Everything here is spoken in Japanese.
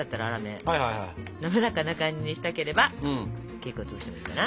滑らかな感じにしたければ結構潰してもいいかな。